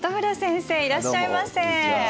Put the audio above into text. いらっしゃいませ。